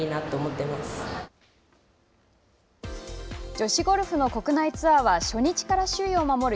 女子ゴルフの国内ツアーは初日から首位を守る